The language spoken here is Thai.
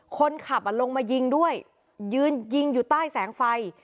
คนขับลงมายิงด้วยยืนยิงอยู่ใต้แสงไฟ